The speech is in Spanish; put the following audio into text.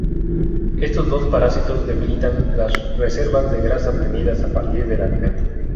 Estos dos parásitos debilitan las reservas de grasa obtenidas a partir del alimento.